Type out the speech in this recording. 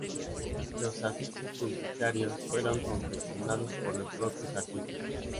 Los afiches publicitarios fueron confeccionados por los propios artistas.